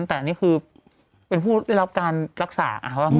แต่อันนี้คือเป็นผู้ได้รับการรักษา